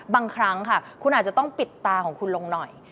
บางครั้งค่ะคุณอาจจะต้องปิดตาของคุณลงหน่อย